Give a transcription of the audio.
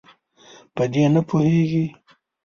په دې نه پوهیږي.